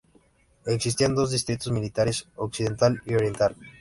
Existían dos distritos militares, Occidental y Oriental.